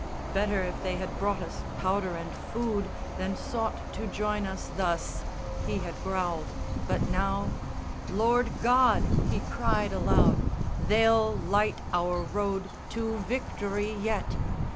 "Better if they had brought us powder and food Than sought to join us thus," he had growled; but now "Lord God," he cried aloud, "they'll light our road To victory yet!"